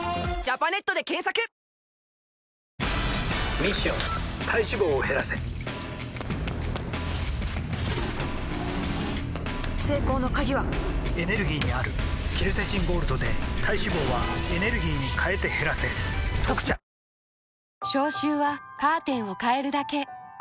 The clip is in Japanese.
ミッション体脂肪を減らせ成功の鍵はエネルギーにあるケルセチンゴールドで体脂肪はエネルギーに変えて減らせ「特茶」叫びたくなる緑茶ってなんだ？